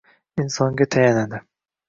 insonga tayanadi.